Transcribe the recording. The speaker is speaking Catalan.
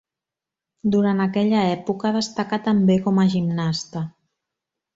Durant aquella època destacà també com a gimnasta.